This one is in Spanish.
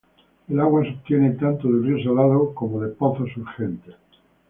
El agua se obtiene tanto del río Salado como de pozos surgentes.